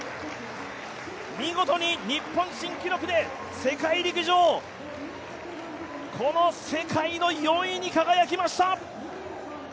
見事に日本新記録で世界陸上、世界の４位に輝きました。